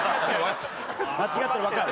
間違ってるのわかる。